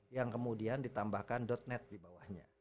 yang kemudian ditambahkan net dibawahnya